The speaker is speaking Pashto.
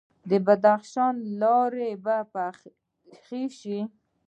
د بدخشان لارې پاخه شوي؟